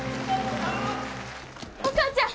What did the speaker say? お母ちゃん！